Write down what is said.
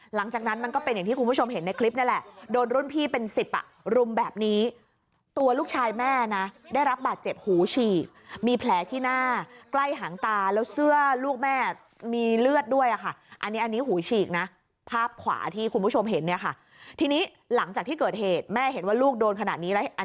หลังจากนั้นมันก็เป็นอย่างที่คุณผู้ชมเห็นในคลิปนี่แหละโดนรุ่นพี่เป็นสิบอ่ะรุมแบบนี้ตัวลูกชายแม่นะได้รับบาดเจ็บหูฉีกมีแผลที่หน้าใกล้หางตาแล้วเสื้อลูกแม่มีเลือดด้วยค่ะอันนี้อันนี้หูฉีกนะภาพขวาที่คุณผู้ชมเห็นเนี่ยค่ะทีนี้หลังจากที่เกิดเหตุแม่เห็นว่าลูกโดนขนาดนี้แล้วอัน